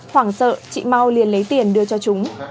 hoảng sợ chị mau liền lấy tiền đưa cho chúng